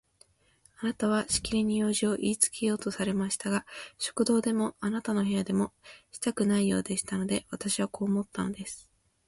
あなたはしきりに用事をいいつけようとされましたが、食堂でもあなたの部屋でもしたくないようでしたので、私はこう思ったんです。